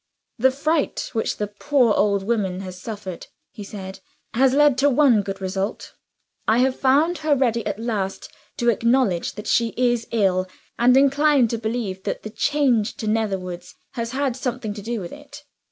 "The fright which the poor old woman has suffered," he said, "has led to one good result. I have found her ready at last to acknowledge that she is ill, and inclined to believe that the change to Netherwoods has had something to do with it.